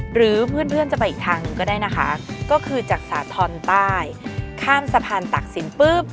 หรือเพื่อนเพื่อนจะไปอีกทางหนึ่งก็ได้นะคะก็คือจากสาธรณ์ใต้ข้ามสะพานตักศิลป์ปุ๊บ